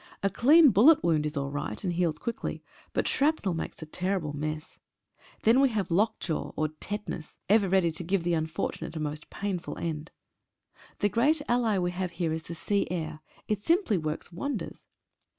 A clean bullet wound is all right and heals quickly, but shrapnel makes a terrible mess. Then we have lockjaw or Tetanus, ever ready to give the unfortunate 17 SOME IMPRESSIONS. a most painful end. The great ally we have here is the sea air — it simply works wonders.